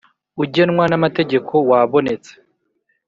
Ugenwa n amategeko wabonetse